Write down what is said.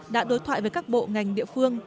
đã đối thoại với các bộ ngành địa phương